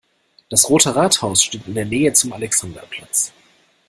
Das Rote Rathaus steht in der Nähe zum Alexanderplatz.